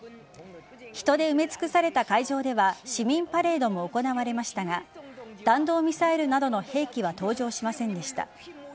人で埋め尽くされた会場では市民パレードも行われましたが弾道ミサイルなどの兵器は登場しませんでした。